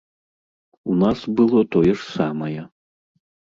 У нас было тое ж самае.